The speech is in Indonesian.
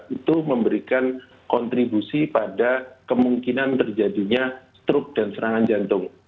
itu memberikan kontribusi pada kemungkinan terjadinya struk dan serangan jantung